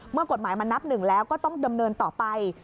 กฎหมายมันนับหนึ่งแล้วก็ต้องดำเนินต่อไป